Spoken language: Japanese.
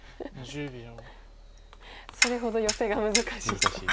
それほどヨセが難しいと。